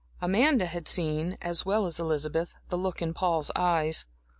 Amanda had seen, as well as Elizabeth, the look in Paul's eyes.